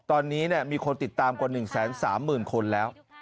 ตอนนี้มีคนติดตามกว่า๑๓๐๐๐คนแล้ว